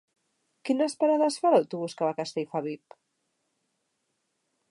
Quines parades fa l'autobús que va a Castellfabib?